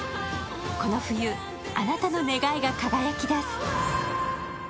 この冬、あなたの願いが輝き出す。